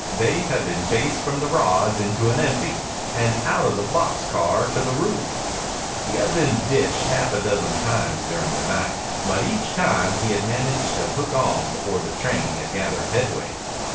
Dave had been chased from the rods into an empty and out of the box car to the roof. He had been ditched half a dozen times during the night, but each time he had managed to hook on before the train had gathered headway.